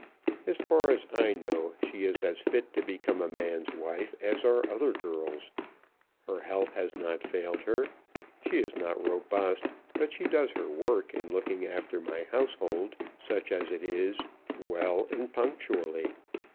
As far as I know she is as fit to become a man's wife as are other girls. Her health has not failed her. She is not robust, but she does her work in looking after my household, such as it is, well and punctually.